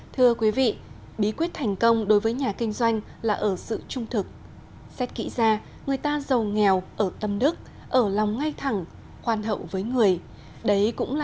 thưa quý vị bí quyết thành công đối với nhà kinh doanh là ở sự trung thực